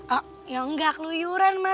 oh ya enggak keluyuran mah